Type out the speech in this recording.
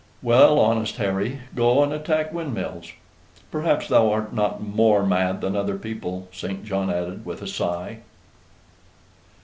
"Well, honest Harry, go and attack windmills perhaps thou art not more mad than other people," St. John added, with a sigh.